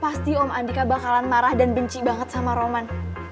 pasti om andika bakalan marah dan benci banget sama roman